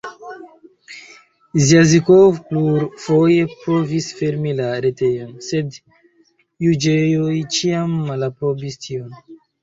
Zjazikov plurfoje provis fermi la retejon, sed juĝejoj ĉiam malaprobis tion.